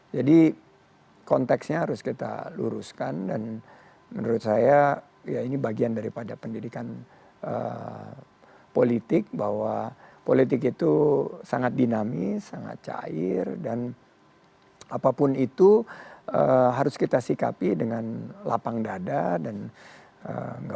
jadi konteksnya harus kita luruskan dan kita harus mencari keputusan yang lebih baik